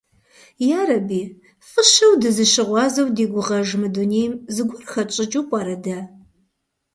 Ярэби, фӏыщэу дызыщыгъуазэу ди гугъэж мы дунейм зыгуэр хэтщӏыкӏыу пӏэрэ дэ?